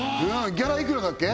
ギャラいくらだっけ？